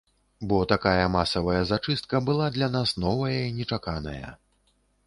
Бо такая масавая зачыстка была для нас новая і нечаканая.